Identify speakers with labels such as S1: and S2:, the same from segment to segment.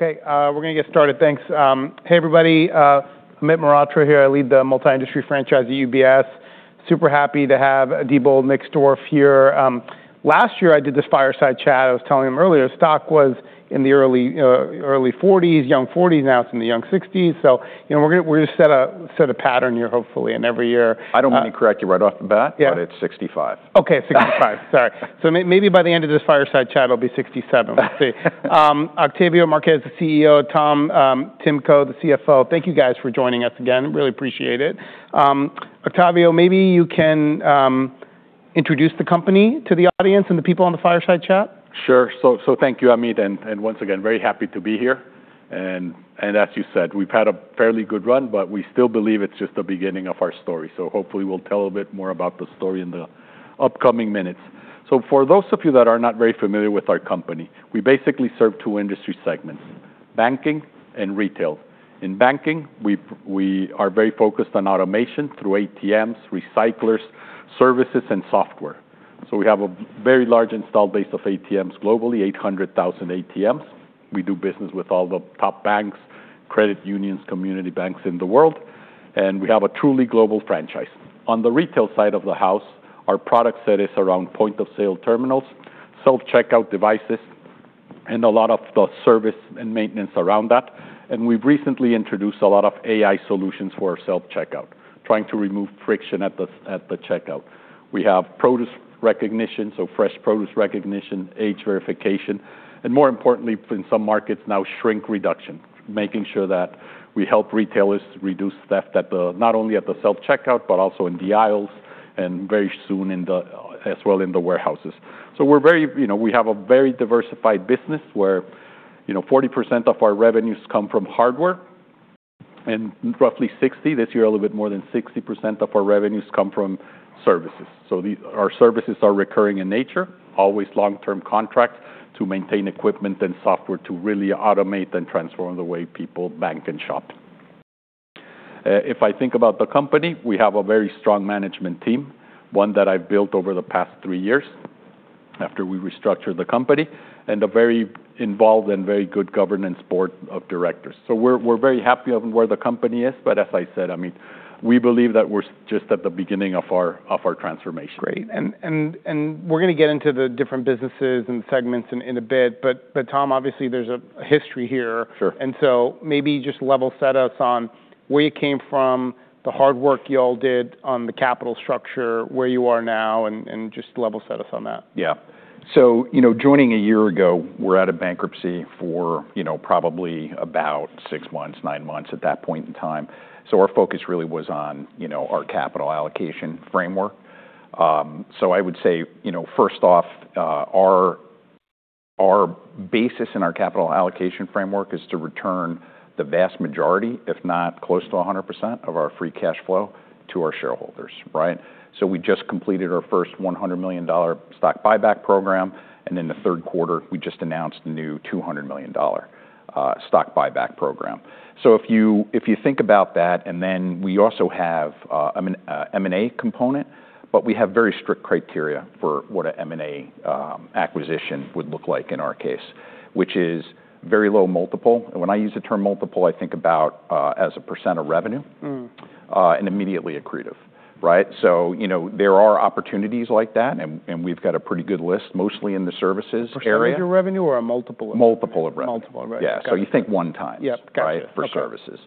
S1: We're going to get started. Thanks. Hey everybody, Amit Mehrotra here. I lead the multi industry franchise at UBS. Super happy to have Diebold Nixdorf here. Last year I did this fireside chat. I was telling him earlier stock was in the early $40s, young $40s. Now it's in the young $60s. So you know, we're set a pattern here hopefully. And every year.
S2: I don't mean to correct you right off the bat, but it's $65.
S1: Okay, $65. Sorry. So maybe by the end of this fireside chat it'll be $67. Octavio Marquez, the CEO, Tom Timko, the CFO. Thank you guys for joining us again. Really appreciate it. Octavio, maybe you can introduce the company to the audience and the people on the fireside chat.
S3: Sure. So thank you, Amit, and once again very happy to be here. And as you said, we've had a fairly good run but we still believe it's just the beginning of our story. So hopefully we'll tell a bit more about the story in the upcoming minutes. So for those of you that are not very familiar with our company, we basically serve two industry segments, banking and retail. In banking we are very focused on automation through ATMs, recyclers, services and software. So we have a very large installed base of ATMs, globally 800,000 ATMs. We do business with all the top banks, credit unions, community banks in the world. And we have a truly global franchise on the retail side of the house. Our product set is around point of sale terminals, self checkout devices and a lot of the service and maintenance around that. And we've recently introduced a lot of AI solutions for self-checkout, trying to remove friction at the checkout. We have produce recognition. So fresh produce recognition, age verification and more importantly in some markets now shrink reduction, making sure that we help retailers reduce theft not only at the self-checkout but also in the aisles and very soon as well in the warehouses. So we're very, you know, we have a very diversified business where you know, 40% of our revenues come from hardware and roughly 60% this year. A little bit more than 60% of our revenues come from services. So our services are recurring in nature, always long term contract to maintain equipment and software to really automate and transform the way people bank and shop. If I think about the company, we have a very strong management team, one that I've built over the past three years after we restructured the company and a very involved and very good governance board of directors. So we're very happy with where the company is. But as I said, I mean, we believe that we're just at the beginning of our transformation.
S1: We're going to get into the different businesses and segments in a bit. But Tom, obviously there's a history here. So maybe just level set us on where you came from, the hard work you all did on the capital structure where you are now, and just level set us on that.
S2: So, joining a year ago, we're out of bankruptcy for probably about six months, nine months at that point in time. Our focus really was on our capital allocation framework. I would say first off, our basis in our capital allocation framework is to return the vast majority, if not close to 100% of our free cash flow to our shareholders. Right. So we just completed our first $100 million stock buyback program. And in the third quarter we just announced a new $200 million stock buyback program. So if you think about that. And then we also have M&A component, but we have very strict criteria for what an M&A acquisition would look like in our case, which is very low multiple. And when I use the term multiple, I think about as a percent of revenue and immediately accretive. Right? So you know, there are opportunities like that and we've got a pretty good list mostly in the services area.
S1: Revenue or a multiple?
S2: Multiple of revenue. Yeah. So you think one time. Got it for services.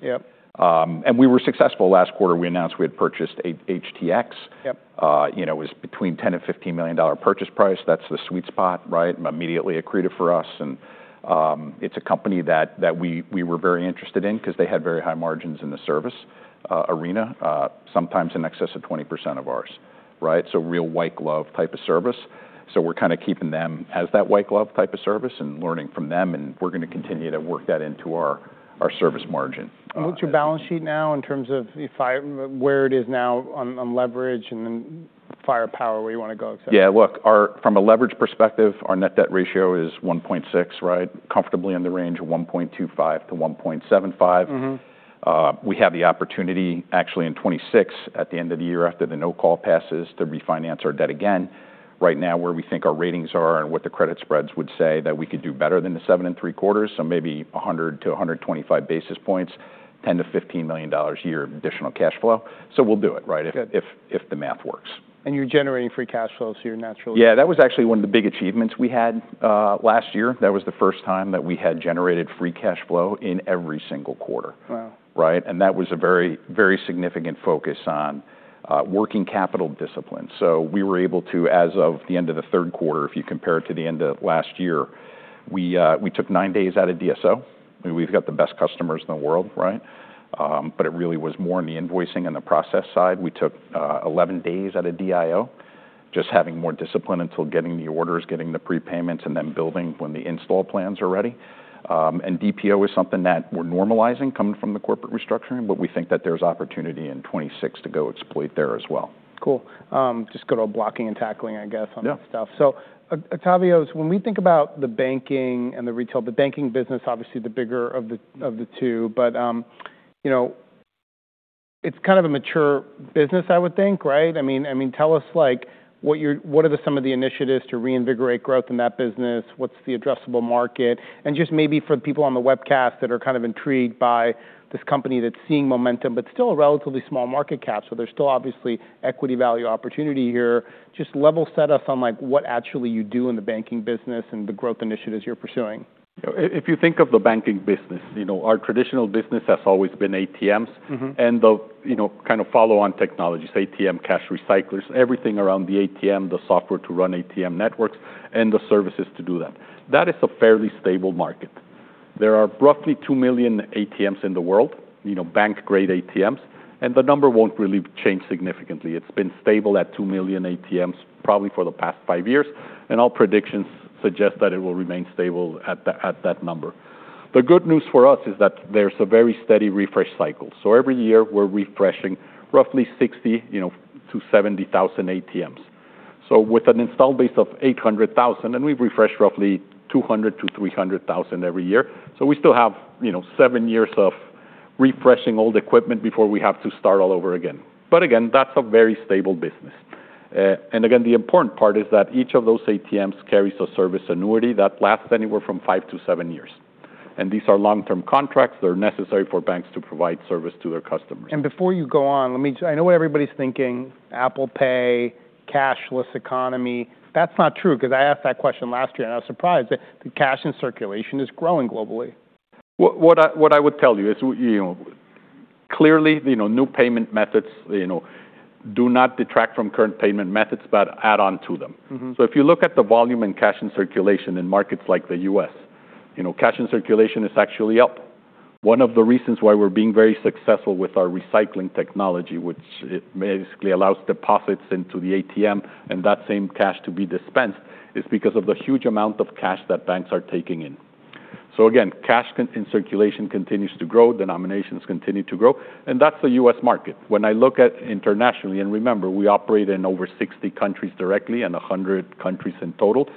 S2: And we were successful. Last quarter we announced we had purchased HTX. You know, it was between $10-$15 million purchase price. That's the sweet spot. Right? Immediately accretive for us. And it's a company that we were very interested in because they had very high margins in the service arena, sometimes in excess of 20% of ours. Right? So real white glove type of service. So we're kind of keeping them as that white glove type of service and learning from them. And we're going to continue to work that into our service margin.
S1: What's your balance sheet now in terms of where it is now on leverage and then firepower where you want to go?
S2: Yeah. Look, from a leverage perspective, our net debt ratio is 1.6. Comfortably in the range of 1.25-1.75. We have the opportunity actually in 2026 at the end of the year after the non-call passes to refinance our debt again. Right. Now where we think our ratings are and what the credit spreads would say that we could do better than the 7.75%. So maybe 100 basis points-125 basis points, $10 million-$15 million a year additional cash flow. So we'll do it right if the math works
S1: And you're generating free cash flow, so you're naturally
S2: Yeah, that was actually one of the. Big achievements we had last year. That was the first time that we had generated free cash flow in every single quarter. Right. And that was a very, very significant focus on working capital discipline. So we were able to, as of the end of the third quarter, if you compare it to the end of last year, we took nine days out of DSO. We've got the best customers in the world. Right. But it really was more on the invoicing and the process side. We took 11 days out of DIO, just having more discipline until getting the orders, getting the prepayments, and then building when the install plans are ready. And DPO is something that we're normalizing coming from the corporate restructuring. But we think that there's opportunity in 2026 to go exploit there as well.
S1: Cool. Just go to blocking and tackling, I guess, on that stuff. So, Octavio, when we think about the banking and the retail, the banking business, obviously the bigger of the two, but you know, it's kind of a mature business, I would think, right? I mean, tell us like what are some of the initiatives to reinvigorate growth in that business? What's the addressable market? And just maybe for the people on the webcast that are kind of intrigued by this company that's seeing momentum, but still a relatively small market cap. So there's still obviously equity value opportunity here. Just level set us on like what actually you do in the banking business and the growth initiatives you're pursuing.
S3: If you think of the banking business, you know, our traditional business has always been ATMs and the, you know, kind of follow on technologies, ATM cash recyclers, everything around the ATM, the software to run ATM networks and the services to do that, that is a fairly stable market. There are roughly 2 million ATMs in the world, you know, bank grade ATMs and the number won't really change significantly. It's been stable at 2 million ATMs probably for the past five years, and all predictions suggest that it will remain stable at that number. The good news for us is that there's a very steady refresh cycle. So every year we're refreshing roughly 60,000-70,000 ATMs, so with an installed base of 800,000 and we've refreshed roughly 200,000-300,000 every year. So we still have seven years of refreshing old equipment before we have to start all over again. But again, that's a very stable business. And again, the important part is that each of those ATMs carries a service annuity that lasts anywhere from five to seven years. And these are long term contracts that are necessary for banks to provide service to their customers.
S1: And before you go on, I know what everybody's thinking. Apple Pay cashless economy. That's not true because I asked that question last year and I was surprised because the cash in circulation is growing globally.
S3: What I would tell you is clearly new payment methods do not detract from current payment methods, but add on to them. So if you look at the volume and cash in circulation in markets like the U.S., cash in circulation is actually up. One of the reasons why we're being very successful with our recycling technology, which basically allows deposits into the ATM and that same cash to be dispensed is because of the huge amount of cash that banks are taking in. So again, cash in circulation continues to grow, denominations continue to grow, and that's the U.S. market. When I look at internationally and remember, we operate in over 60 countries directly and 100 countries in total.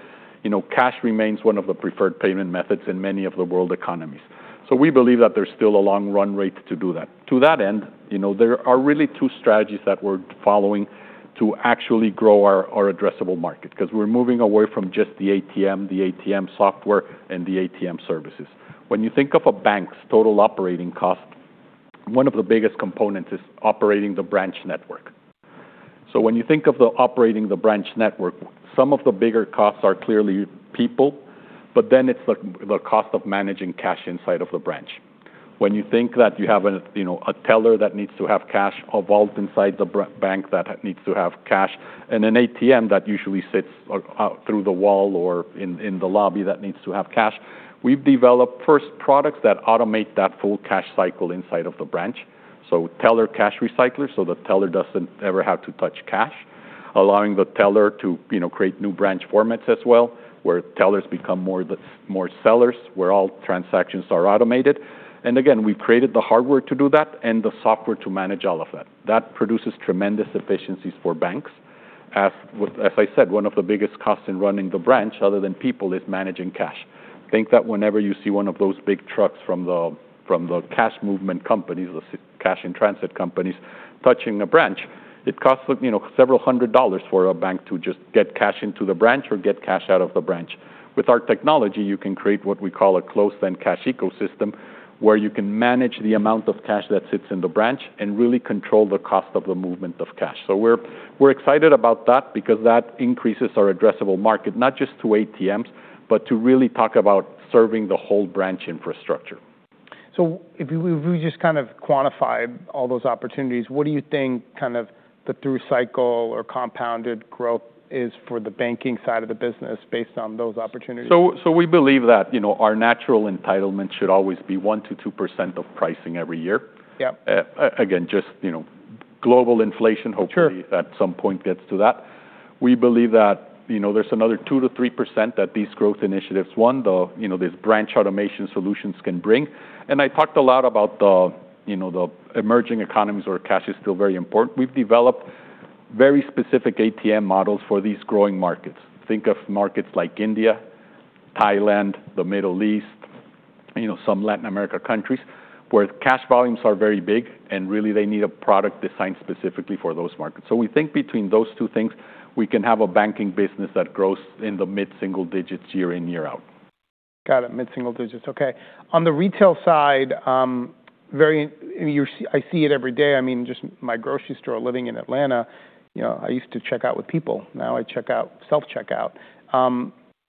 S3: You know, cash remains one of the preferred payment methods in many of the world economies. So we believe that there's still a long run rate to do that. To that end, you know, there are really two strategies that we're following to actually grow our addressable market because we're moving away from just the ATM, the ATM software, and the ATM services. When you think of a bank's total operating cost, one of the biggest components is operating the branch network. So when you think of operating the branch network, some of the bigger costs are clearly people, but then it's the cost of managing cash inside of the branch. When you think that you have a teller that needs to have cash, a vault inside the bank that needs to have cash, and an ATM that usually sits through the wall or in the lobby that needs to have cash. We've developed first products that automate full cash cycle inside of the branch. So teller cash recycler so the teller doesn't ever have to touch cash. Allowing the teller to, you know, create new branch formats as well, where tellers become more sellers, where all transactions are automated. And again, we've created the hardware to do that and the software to manage all of that. That produces tremendous efficiencies for banks. As I said, one of the biggest costs in running the branch, other than people, is managing cash. Think that whenever you see one of those big trucks from the cash movement companies, the cash in transit companies touching a branch, it costs several hundred dollars for a bank to just get cash into the branch or get cash out of the branch. With our technology, you can create what we call a closed end cash ecosystem where you can manage the amount of cash that sits in the branch and really control the cost of the movement of cash. So we're excited about that because that increases our addressable market not just to ATMs, but to really talk about serving the whole branch infrastructure.
S1: So if we just kind of quantified all those opportunities, what do you think kind of the through cycle or compounded growth is for the banking side of the business based on those opportunities?
S3: So we believe that, you know, our natural entitlement should always be 1%-2% of pricing every year. Again, just, you know, global inflation hope at some point gets to that. We believe that, you know, there's another 2%-3% that these growth initiatives, one of the, you know, these branch automation solutions can bring. And I talked a lot about the, you know, the emerging economies where cash is still very important. We've developed very specific ATM models for these growing markets. Think of markets like India, Thailand, the Middle East, you know, some Latin America countries where cash volumes are very big and really they need a product designed specifically for those markets. So we think between those two things, we can have a banking business that grows in the mid single digits year in, year out.
S1: Got it. Mid-single digits. On the retail side, I see it every day. I mean, just my grocery store, living in Atlanta, I used to check out with people, now I check out self checkout.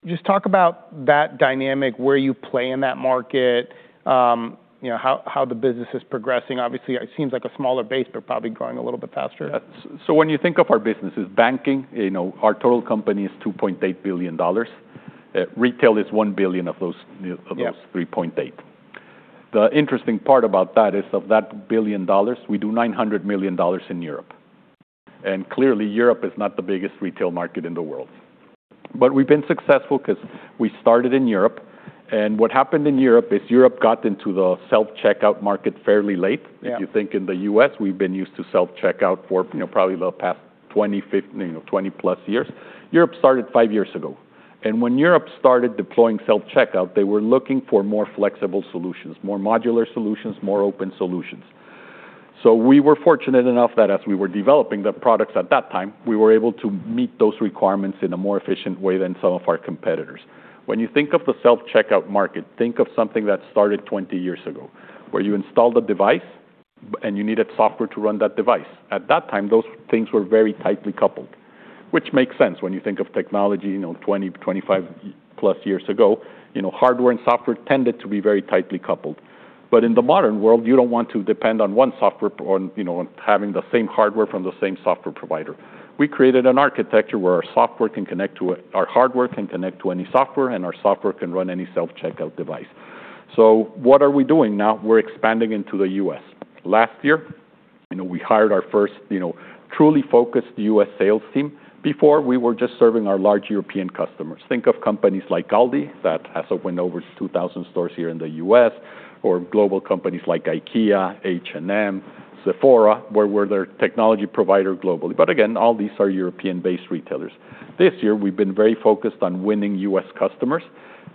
S1: Just talk about that dynamic where you play in that market, how the business is progressing. Obviously it seems like a smaller base but probably growing a little bit faster.
S3: So when you think of our businesses, banking, you know, our total company is $2.8 billion. Retail is $1 billion of those $3.8 billion. The interesting part about that is of that billion dollars, we do $900 million in Europe. And clearly Europe is not the biggest retail market in the world. But we've been successful because we started in Europe. And what happened in Europe is Europe got into the self checkout market fairly late. If you think in the U.S. we've been used to self checkout for probably the past 20+ years. Europe started five years ago. And when Europe started deploying self checkout, they were looking for more flexible solutions, more modular solutions, more open solutions. So we were fortunate enough that as we were developing the products at that time we were able to meet those requirements in a more efficient way than some of our competitors. When you think of the self-checkout market, think of something that started 20 years ago where you install the device and you needed software to run that device. At that time those things were very tightly coupled, which makes sense when you think of technology 20+, 25+ years ago, hardware and software tended to be very tightly coupled. But in the modern world you don't want to depend on one software having the same hardware from the same software provider. We created an architecture where our software can connect to our hardware can connect to any software and our software can run any self-checkout device. So what are we doing now? We're expanding into the U.S. Last year we hired our first truly focused U.S. sales team. Before we were just serving our large European customers. Think of companies like Aldi that has opened over 2,000 stores here in the U.S. or global companies like IKEA H&M Sephora where we're their technology provider globally. But again all these are European based retailers. This year we've been very focused on winning U.S. customers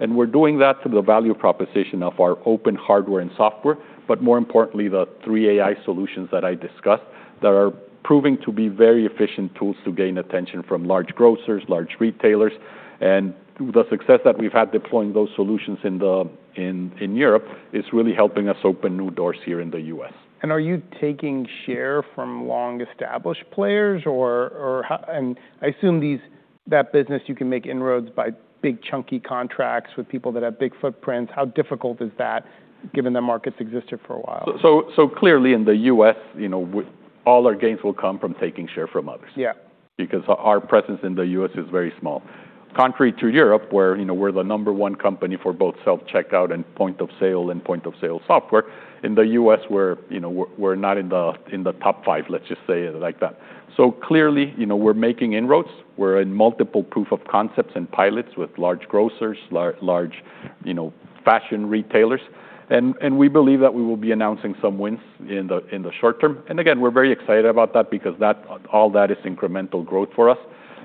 S3: and we're doing that to the value proposition of our open hardware and software. But more importantly, the three AI solutions that I discussed that are proving to be very efficient tools to gain attention from large grocers, large retailers and the success that we've had deploying those solutions in Europe is really helping us open new doors here in the U.S..
S1: And are you taking share from long-established players or, and I assume these, that business you can make inroads by big chunky contracts with people that have big footprints. How difficult is that given that markets existed for a while?
S3: So clearly in the U.S. all our gains will come from taking share from others because our presence in the U.S. is very small. Contrary to Europe where we're the number one company for both self checkout and point of sale and point of sale software. In the U.S. we're not in the top five, let's just say like that. So clearly we're making inroads. We're in multiple proof of concepts and pilots with large grocers, large fashion retailers and we believe that we will be announcing some wins in the short term. And again, we're very excited about that because that is incremental growth for us,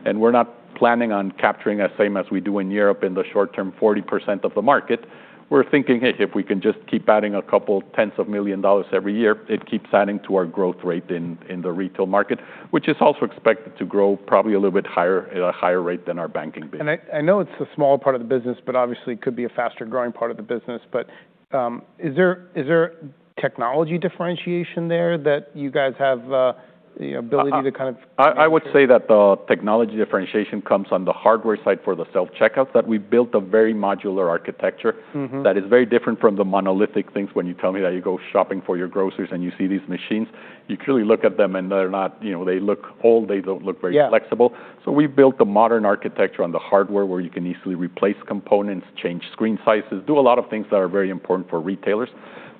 S3: and we're not planning on capturing the same as we do in Europe in the short term, 40% of the market. We're thinking, hey, if we can just keep adding a couple tens of millions of dollars every year, it keeps adding to our growth rate in the retail market, which is also expected to grow probably a little bit higher at a higher rate than our banking business.
S1: I know it's a small part of the business, but obviously could be a faster growing part of the business. Is there technology differentiation there that you guys have the ability to kind of?
S3: I would say that the technology differentiation comes on the hardware side for the self-checkouts, that we built a very modular architecture that is very different from the monolithic things. When you tell me that you go shopping for your groceries and you see these machines, you clearly look at them and they're not, you know, they look old, they don't look very flexible. So we built a modern architecture on the hardware where you can easily replace components, change screen sizes, do a lot of things that are very important for retailers.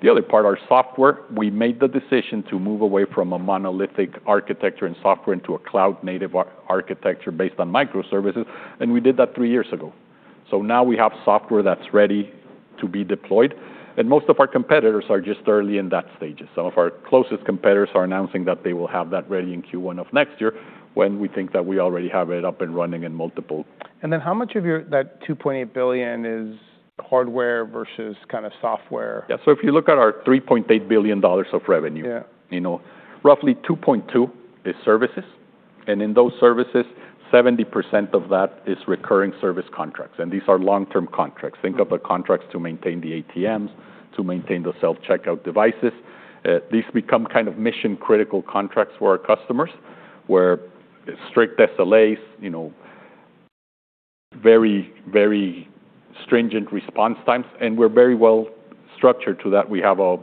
S3: The other part are software. We made the decision to move away from a monolithic architecture and software into a cloud-native architecture based on microservices. And we did that three years ago. So now we have software that's ready to be deployed. And most of our competitors are just early in those stages. Some of our closest competitors are announcing that they will have that ready in Q1 of next year when we think that we already have it up and running in multiple.
S1: And then how much of that $2.8 billion is hardware versus kind of software?
S3: Yeah, so if you look at our $3.8 billion of revenue, roughly $2.2 billion is services. And in those services, 70% of that is recurring service contracts. And these are long-term contracts. Think of the contracts to maintain the ATMs, to maintain the self-checkout devices. These become kind of mission-critical contracts for our customers where strict SLAs, you know, very, very stringent response times. And we're very well structured to that. We have our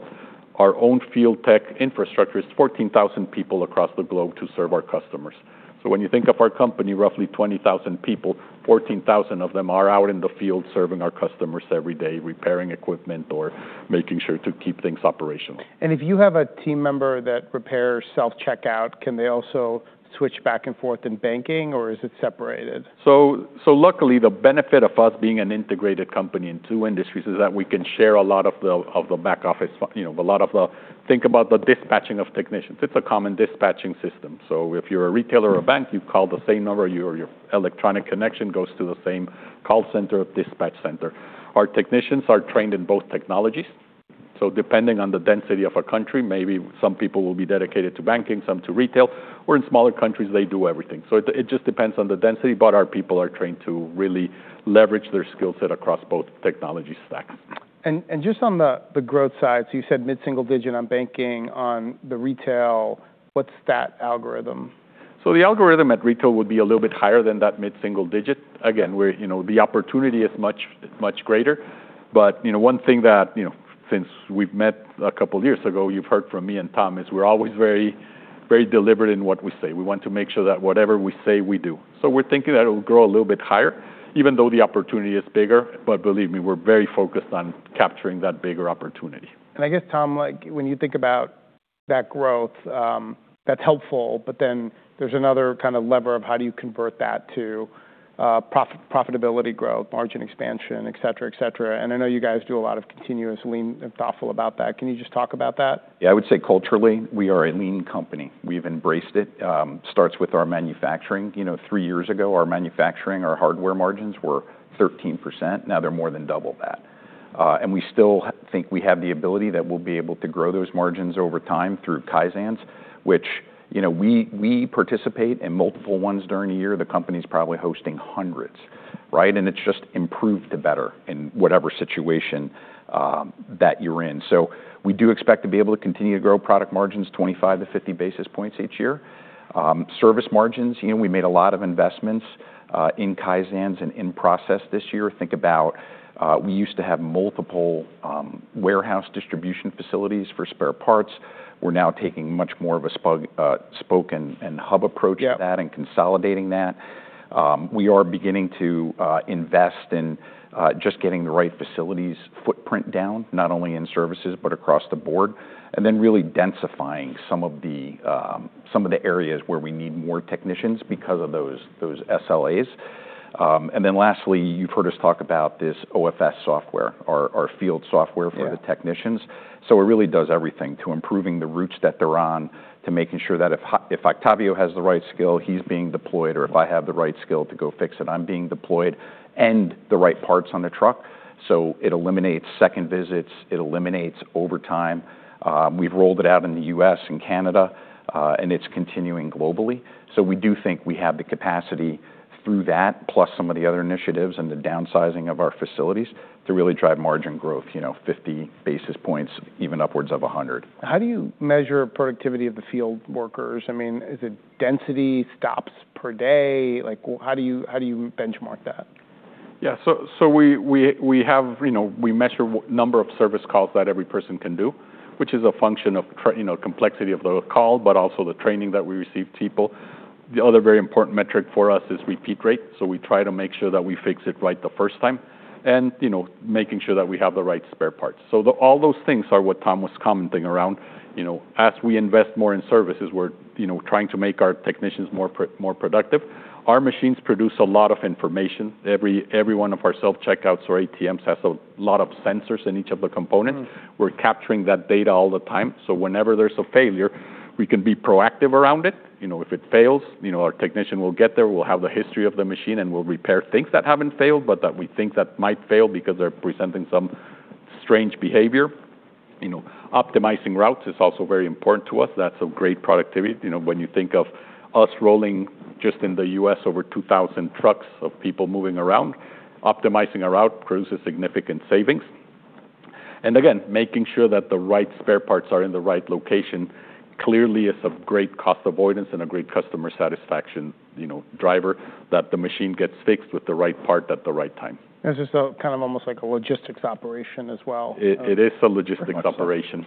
S3: own field tech infrastructure is 14,000 people across the globe to serve our customers. So when you think of our company, roughly 20,000 people, 14,000 of them are out in the field serving our customers every day, repairing equipment or making sure to keep things operational.
S1: And if you have a team member that repairs self-checkout, can they also switch back and forth in banking or is it separated?
S3: So luckily the benefit of us being an integrated company in two industries is that we can share a lot of the back office, a lot of the thinking about the dispatching of technicians. It's a common dispatching system. So if you're a retailer or a bank, you call the same number, your electronic connection goes to the same call center, dispatch center. Our technicians are trained in both technologies. So depending on the density of our country, maybe some people will be dedicated to banking, some to retail or in smaller countries, they do everything. So it just depends. Depends on the density. But our people are trained to really leverage their skill set across both technology stacks.
S1: And just on the growth side. So you said mid single digit on banking, on the retail. What's that algorithm?
S3: So the algorithm at retail would be a little bit higher than that mid-single-digit again, where, you know, the opportunity is much, much greater. But, you know, one thing that, you know, since we've met a couple years ago, you've heard from me and Tom, is we're always very, very deliberate in what we say. We want to make sure that whatever we say we do, so we're thinking that it will grow a little bit higher even though the opportunity is bigger. But believe me, we're very focused on capturing that bigger opportunity.
S1: I guess, Tom, when you think about that growth, that's helpful. But then there's another kind of lever of how do you convert that to profitability, growth, margin expansion, et cetera, et cetera. I know you guys do a lot of continuous, lean and thoughtful about that. Can you just talk about that?
S2: Yeah, I would say culturally, we are a lean company. We've embraced. It starts with our manufacturing. You know, three years ago, our manufacturing, our hardware margins were 13%. Now they're more than double that. And we still think we have the ability that we'll be able to grow those margins over time through Kaizens, which, you know, we participate in multiple ones during a year, the company's probably hosting hundreds. Right. And it's just improved the better in whatever situation that you're in. So we do expect to be able to continue to grow product margins, 25 to 50 basis points each year, service margins. You know, we made a lot of investments in Kaizens and in process this year, think about, we used to have multiple warehouse distribution facilities for spare parts. We're now taking much more of a spoke-and-hub approach to that and consolidating that. We are beginning to invest in just getting the right facilities footprint down, not only in services, but across the board, and then really densifying some of the areas where we need more technicians because of those SLAs. Then lastly, you've heard us talk about this OFS software, our field software for the technicians. So it really does everything to improving the routes that they're on, to making sure that if Octavio has the right skill he's being deployed or if I have the right skill to go fix it, I'm being deployed and the right parts on the truck. So it eliminates second visits, it eliminates overtime. We've rolled it out in the U.S. and Canada and it's continuing globally. So we do think we have the capacity through that plus some of the other initiatives and the downsizing of our facilities to really drive margin growth. You know, 50 basis points, even upwards of 100.
S1: How do you measure productivity of the field workers? I mean, is it density stops per day? Like how do you, how do you benchmark that?
S3: Yeah, so we have, you know, we measure number of service calls that every person can do, which is a function of, you know, complexity of the call, but also the training that we give people. The other very important metric for us is repeat rate. So we try to make sure that we fix it right the first time and you know, making sure that we have the right spare parts. So all those things are what Tom was commenting around. You know, as we invest more in services, we're you know, trying to make our technicians more productive. Our machines produce a lot of information. Every one of our self checkouts or ATMs has a lot of sensors in each of the components. We're capturing that data all the time. So whenever there's a failure, we can be proactive around it. If it fails, our technician will get there. We'll have the history of the machine and we'll repair things that haven't failed. But that we think that might fail because they're presenting some strange behavior. Optimizing routes is also very important to us. That's a great productivity. When you think of us rolling just in the U.S. over 2,000 trucks of people moving around, optimizing our route produces significant savings. And again, making sure that the right spare parts are in the right location clearly is a great cost avoidance and a great customer satisfaction, you know, driver that the machine gets fixed with the right part at the right time.
S1: This is kind of almost like a logistics operation as well.
S3: It is a logistics operation.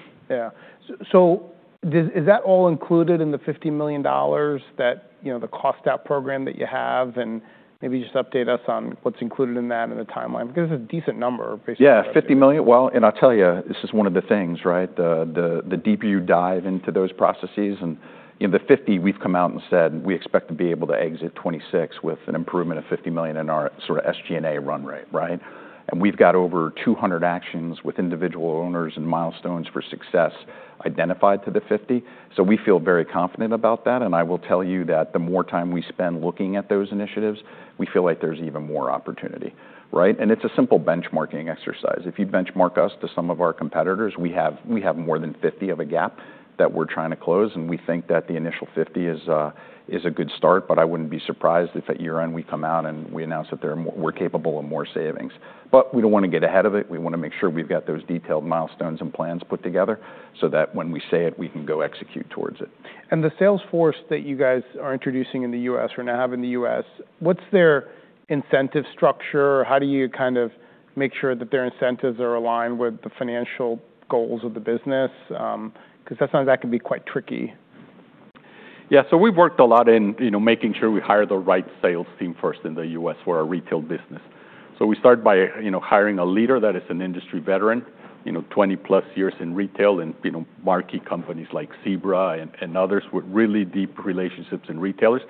S1: So, is that all included in the $50 million that, you know, the cost out program that you have, and maybe just update us on what's included in that in the timeline because it's a decent number?
S2: Basically, yeah, $50 million. Well, and I'll tell you, this is one of the things, right, the deeper you dive into those processes and the $50 million we've come out and said we expect to be able to exit 2026 with an improvement of $50 million in our sort of SGA run rate. Right. And we've got over 200 actions with individual owners and milestones for success identified to the $50 million. So we feel very confident about that. And I will tell you that the more time we spend looking at those initiatives, we feel like there's even more opportunity, right? And it's a simple benchmarking exercise. If you benchmark us to some of our competitors, we have more than $50 million of a gap that we're trying to close. And we think that the initial $50 million is a good start. But I wouldn't be surprised if at year end we come out and we announce that we're capable of more savings, but we don't want to get ahead of it. We want to make sure we've got those detailed milestones and plans put together so that when we say it, we can go execute towards it.
S1: And the sales force that you guys are introducing in the U.S. or now have in the U.S., what's their incentive structure? How do you kind of make sure that their incentives are aligned with the financial goals of the business? Because sometimes that can be quite tricky.
S3: Yeah. So we've worked a lot in making sure we hire the right sales team first in the U.S. for our retail business. So we start by hiring a leader that is an industry veteran, you know, 20+ years in retail and, you know, Marquee companies like Zebra and others with really deep relationships in retailers.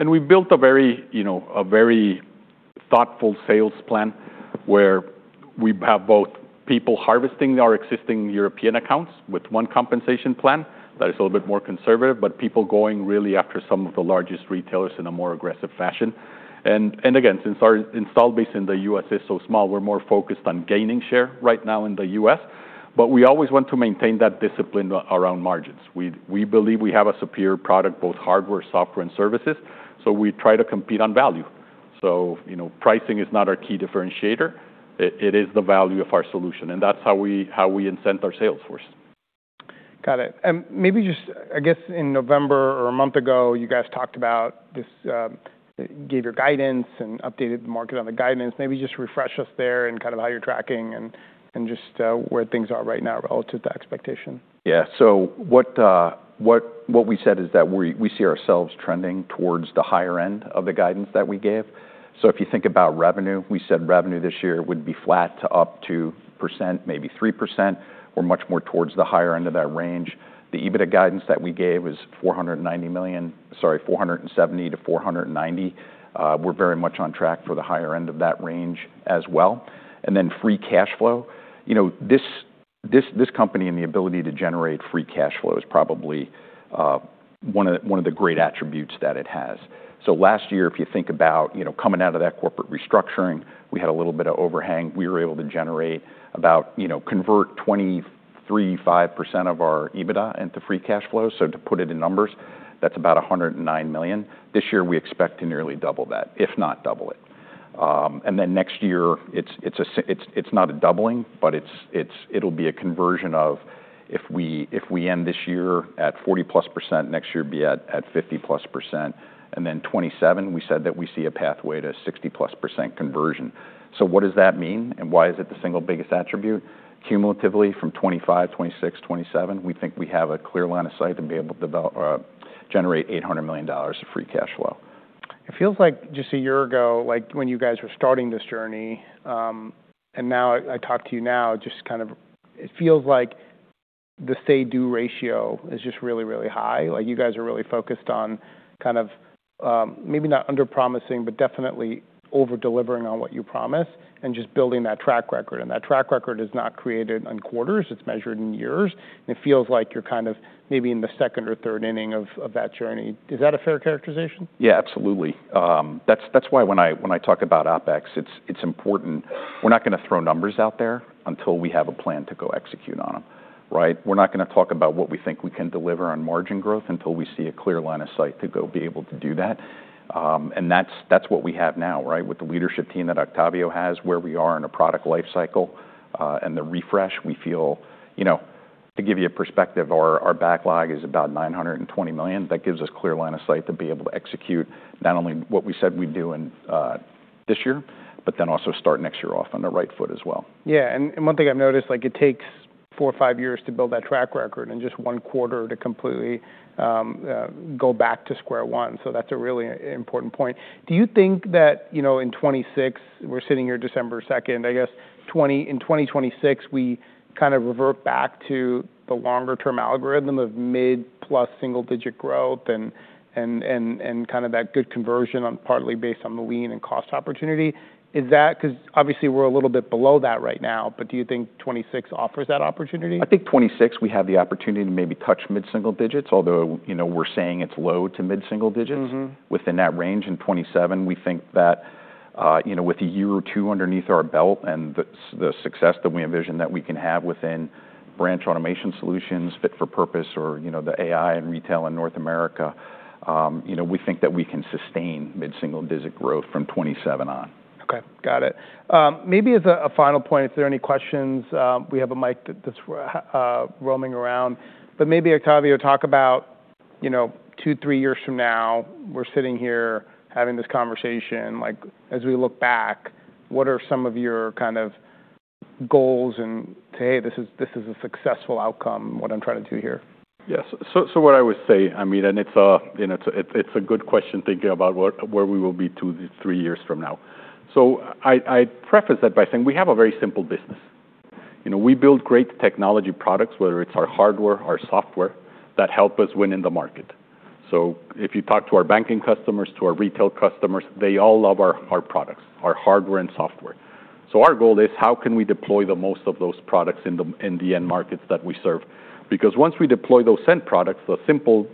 S3: And we built a very, you know, a very thoughtful sales plan where we have both people harvesting our existing European accounts with one compensation plan that is a little bit more conservative, but people going really after some of the largest retailers in a more aggressive fashion. And again, since our installed base in the U.S. is so small, we're more focused on gaining share right now in the U.S. but we always want to maintain that discipline around margins. We believe we have a superior product, both hardware, software and services. So we try to compete on value. So, you know, pricing is not our key differentiator. It is the value of our solution and that's how we, how we incent our sales force.
S1: Got it. And maybe just, I guess, in November or a month ago, you guys talked about this, gave your guidance and updated the market on the guidance. Maybe just refresh us there and kind of how you're tracking and just where things are right now relative to expectation.
S2: Yes. So what we said is that we see ourselves trending towards the higher end of the guidance that we gave. So if you think about revenue, we said revenue this year would be flat to up 2%, maybe 3%. We're much more towards the higher end of that range. The EBITDA guidance that we gave is $490 million, sorry, $470 million-$490 million. We're very much on track for the higher end of that range as well. And then free cash flow, you know, this company and the ability to generate free cash flow is probably one of the great attributes that it has. So last year, if you think about, you know, coming out of that corporate restructuring, we had a little bit of overhang. We were able to generate about, you know, convert 23.5% of our EBITDA into free cash flow. To put it in numbers, that's about $109 million this year we expect to nearly double that, if not double it, and then next year it's not a doubling, but it'll be a conversion of if we end this year at 40%+, next year be at 50%+ and then 2027, we said that we see a pathway to 60%+ conversion. What does that mean and why is it the single biggest attribute ?Cumulatively from 2025, 2026, 2027, we think we have a clear line of sight to be able to generate $800 million of free cash flow.
S1: It feels like just a year ago, like when you guys were starting this journey, and now I talk to you now, just kind of, it feels like the say-do ratio is just really, really high. Like you guys are really focused on kind of maybe not under promising, but definitely over delivering on what you promised and just building that track record, and that track record is not created in quarters. It's measured in years. It feels like you're kind of maybe in the second or third inning of that journey. Is that a fair characterization?
S2: Yeah, absolutely. That's why when I talk about OpEx, it's important. We're not going to throw numbers out there until we have a plan to go execute on them. Right. We're not going to talk about what we think we can deliver on margin growth until we see a clear line of sight to go be able to do that. And that's what we have now, right? With the leadership team that Octavio has, where we are in a product life cycle and the refresh we feel, you know, to give you a perspective, our backlog is about $920 million. That gives us clear line of sight to be able to execute. Not only what we said we'd do this year, but then also start next year off on the right foot as well.
S1: Yeah, and one thing I've noticed, like it takes four or five years to build that track record and just one quarter to completely go back to square one. So that's a really important point. Do you think that, you know, in 2026, we're sitting here December 2nd, in 2026, we kind of revert back to the longer term algorithm of mid plus single digit growth and kind of that good conversion partly based on the lean and cost opportunity? Is that, because obviously we're a little bit below that right now? But do you think 2026 offers that opportunity?
S2: I think 2026, we have the opportunity to maybe touch mid single digits. Although you know, we're saying it's low to mid single digits within that range in 2027. We think that with a year or two underneath our belt and the success that we envision that we can have within Branch Automation Solutions, Fit for Purpose or the AI and retail in North America, we think that we can sustain mid single digit growth from 2027 on.
S1: Okay, got it. Maybe as a final point, if there are any questions, we have a mic that's roaming around, but maybe Octavio, talk about two, three years from now. We're sitting here having this conversation as we look back, what are some of your kind of goals and say this is a successful outcome, what I'm trying to do here.
S3: Yes, so what I would say, Amit, and it's a good question thinking about where we will be two, three years from now. So I preface that by saying we have a very simple business. You know, we build great technology products, whether it's our hardware, our software that help us win in the market. So if you talk to our banking customers, to our retail customers, they all love our products, our hardware and software. So our goal is how can we deploy the most of those products in the end markets that we serve? Because once we deploy those end products, the simple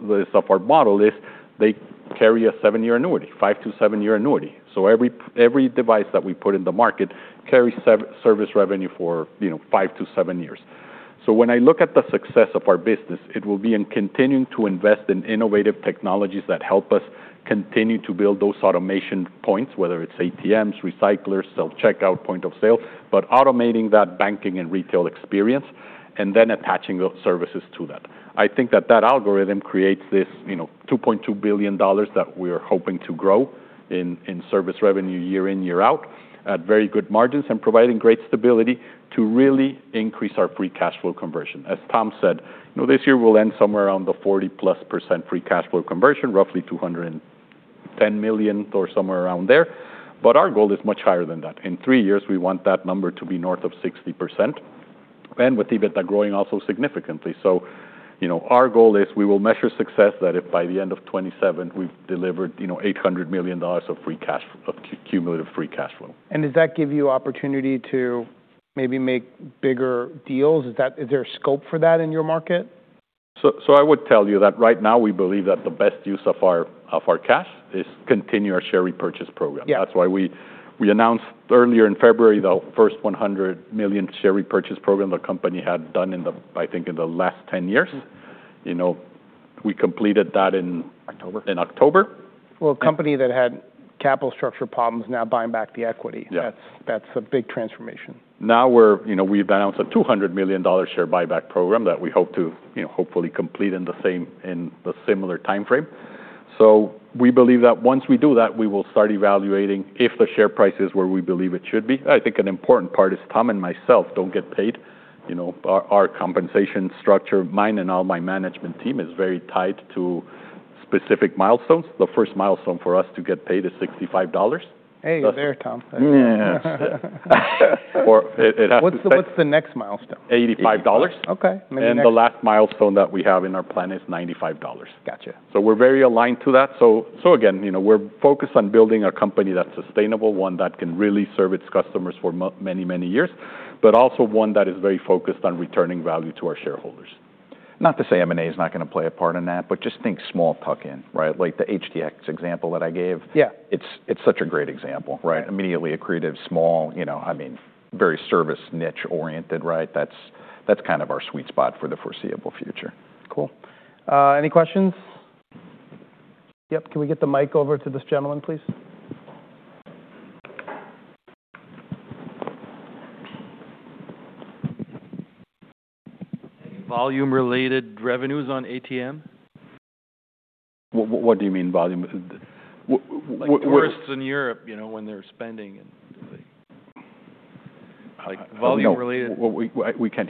S3: model is they carry a seven-year annuity, five- to seven-year annuity. So every device that we put in the market carries service revenue for, you know, five to seven years. So when I look at the success of our business, it will be in continuing to invest in innovative technologies that help us continue to build those automation points, whether it's ATMs, recyclers, self-checkout point-of-sale, but automating that banking and retail experience and then attaching those services to that. I think that that algorithm creates this, you know, $2.2 billion that we are hoping to grow in service revenue year in, year out at very good margins and providing great stability to really increase our free cash flow conversion. As Tom said, you know, this year we'll end somewhere around the 40%+ free cash flow conversion, roughly $210 million or somewhere around there. But our goal is much higher than that. In three years, we want that number to be north of 60% and with EBITDA growing also significantly. You know, our goal is we will measure success that if by the end of 2027, we've delivered, you know, $800 million of free cash flow, cumulative free cash flow.
S1: And does that give you opportunity to maybe make bigger deals? Is that, is there scope for that in your market?
S3: So, I would tell you that right now we believe that the best use of our cash is continue our share repurchase program. That's why we announced earlier in February the first $100 million share repurchase program the company had done in the, I think, in the last 10 years. You know, we completed that in October.
S1: A company that had capital structure problems now buying back the equity, that's a big transformation.
S3: Now we're, you know, we've announced a $200 million share buyback program that we hope to hopefully complete in the similar time frame. So we believe that once we do that, we will start evaluating if the share price is where we believe it should be. I think an important part is Tom and myself don't get paid. You know, our compensation structure, mine and all my management team is very tied to specific milestones. The first milestone for us to get paid is $65.
S1: Hey there, Tom. What's the next milestone?
S3: $85.
S1: Okay.
S3: The last milestone that we have in our plan is $95.
S1: Gotcha.
S3: We're very aligned to that. Again, you know, we're focused on building a company that's sustainable, one that can really serve its customers for many, many years, but also one that is very focused on returning value to our shareholders.
S2: Not to say M&A is not going to play a part in that. But just think small tuck in, right? Like the HTX example that I gave. Yeah, it's, it's such a great example. Right. Immediately accretive, small, you know, I mean, very service niche oriented, right? That's kind of our sweet spot for the foreseeable future.
S1: Cool. Any questions? Can we get the mic over to this gentleman, please?
S4: Volume-related revenues on ATM.
S3: What do you mean volume?
S4: Tourists in Europe, you know, when they're spending. Like volume-related,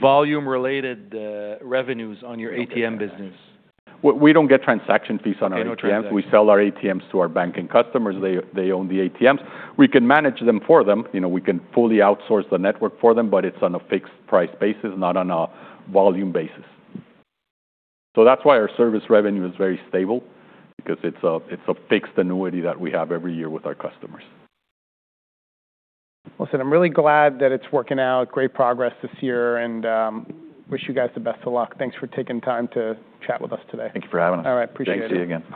S4: volume-related revenues on your ATM business.
S3: We don't get transaction fees on our ATMs. We sell our ATMs to our banking customers. They own the ATMs. We can manage them for them. You know, we can fully outsource the network for them, but it's on a fixed price basis, not on a volume basis. So that's why our service revenue is very stable, because it's a fixed annuity that we have every year with our customers.
S1: Listen, I'm really glad that it's working out great progress this year and wish you guys the best of luck. Thanks for taking time to chat with us today.
S2: Thank you for having us.
S1: All right.
S2: Appreciate it. Thanks to you again. Thanks.